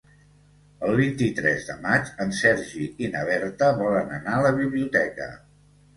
El vint-i-tres de maig en Sergi i na Berta volen anar a la biblioteca.